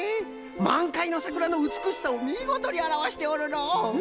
まんかいのさくらのうつくしさをみごとにあらわしておるのう。